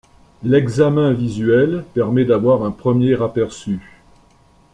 L'examen visuel permet d'avoir un premier aperçu.